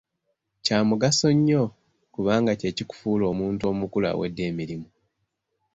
Kya mugaso nnyo, kubanga kye kikufuula omuntu omukulu awedde emirimu.